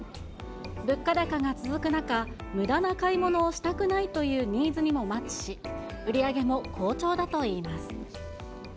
物価高が続く中、むだな買い物をしたくないというニーズにもマッチし、売り上げも好調だといいます。